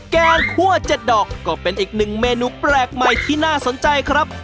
แกงคั่ว๗ดอกก็เป็นอีกหนึ่งเมนูแปลกใหม่ที่น่าสนใจครับ